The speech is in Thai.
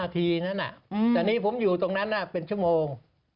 แต่นี่ผมอยู่ตรงนั้นเป็นชั่วโมง